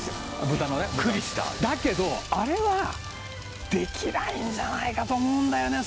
ビックリしただけどあれはできないんじゃないかと思うんだよね